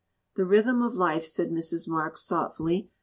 "The rhythm of life," said Mrs. Marks, thought fully.